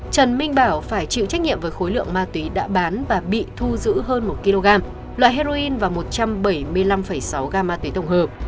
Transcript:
trần minh bảo phải chịu trách nhiệm với khối lượng ma túy đã bán và bị thu giữ hơn một kg loại heroin và một trăm bảy mươi năm sáu gam ma túy tổng hợp